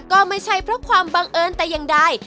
ก็ไม่ใช่เพราะความบังเอิญแต่อย่างใด